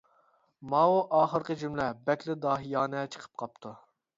ماۋۇ ئاخىرقى جۈملە بەكلا داھىيانە چىقىپ قاپتۇ.